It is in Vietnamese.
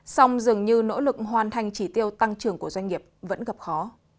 song dường như nỗ lực hoàn thành chỉ tiêu tăng trưởng của doanh nghiệp vẫn gặp khó